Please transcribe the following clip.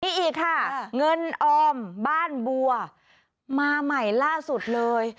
อีกค่ะเงินออมบ้านบัวมาใหม่ล่าสุดเลย